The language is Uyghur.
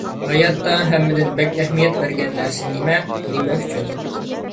ھاياتتا ھەممىدىن بەك ئەھمىيەت بەرگەن نەرسە نېمە؟ نېمە ئۈچۈن؟